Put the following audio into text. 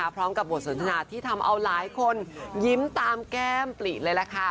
พร้อมกับบทสนทนาที่ทำเอาหลายคนยิ้มตามแก้มปลีเลยล่ะค่ะ